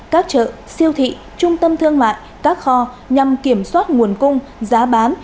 các chợ siêu thị trung tâm thương mại các kho nhằm kiểm soát nguồn cung giá bán